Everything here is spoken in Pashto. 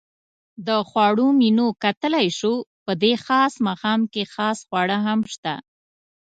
د خوړو منیو کتلای شو؟ په دې خاص ماښام کې خاص خواړه هم شته.